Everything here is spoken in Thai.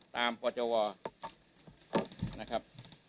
ตามปจวนะครับ